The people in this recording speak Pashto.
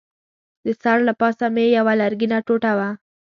د سر له پاسه مې یوه لرګینه ټوټه وه.